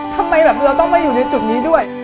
ทำไมแบบเราต้องมาอยู่ในจุดนี้ด้วย